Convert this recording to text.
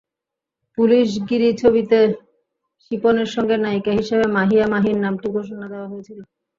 পুলিশগিরি ছবিতে শিপনের সঙ্গে নায়িকা হিসেবে মাহিয়া মাহির নামটি ঘোষণা দেওয়া হয়েছিল।